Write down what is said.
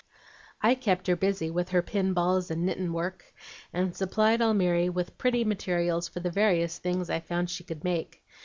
I kept her busy with her 'pin balls and knittin' work, and supplied Almiry with pretty materials for the various things I found she could make.